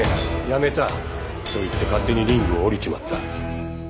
やめた！」と言って勝手にリングを降りちまった。